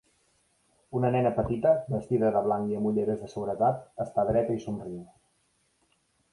Una nena petita, vestida de blanc i amb ulleres de seguretat, està dreta i somriu.